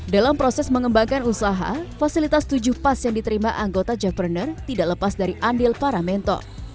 dalam proses mengembangkan usaha fasilitas tujuh pas yang diterima anggota jackpreneur tidak lepas dari andil para mentor